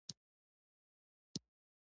راکړې ورکړې په دې نظام کې پراخه بڼه خپله کړه.